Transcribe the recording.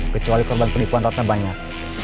kecuali korban penipuan ratna banyak